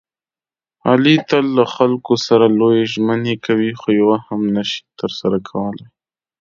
علي تل له خلکو سره لویې ژمنې کوي، خویوه هم نشي ترسره کولی.